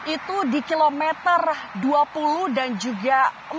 itu di kilometer dua puluh dan juga empat puluh